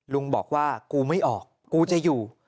ลุงบอกว่ากูไม่ออกกูจะอยู่